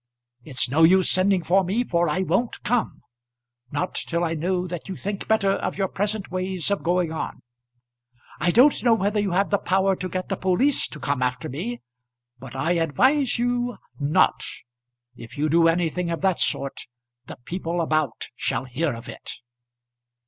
It's no use sending for me, for I won't come; not till I know that you think better of your present ways of going on. I don't know whether you have the power to get the police to come after me, but I advise you not. If you do anything of that sort the people about shall hear of it.